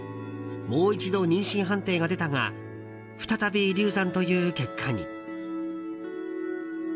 もう一度、妊娠判定が出たが再び流産という結果に。